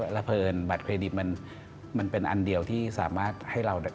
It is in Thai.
ละเผินบัตรเครดิตมันเป็นอันเดียวที่สามารถให้เรา